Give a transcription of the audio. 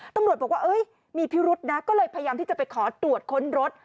ตำรวจบอกว่ามีพิรุษนะก็เลยพยายามที่จะไปขอตรวจค้นรถ